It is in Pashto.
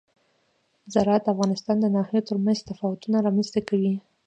زراعت د افغانستان د ناحیو ترمنځ تفاوتونه رامنځ ته کوي.